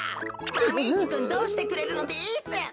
マメ１くんどうしてくれるのです？